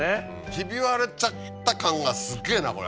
ひび割れちゃった感がすげぇなこれ。